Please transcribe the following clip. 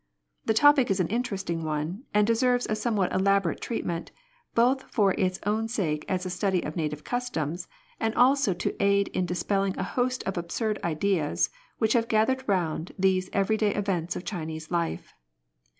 The topic is an interesting one, and deserves a somewhat elaborate treatment, both for its own sake as a study of native customs, and also to aid in dispelling a host of absurd ideas which have gathered round these everyday events of Chinese life.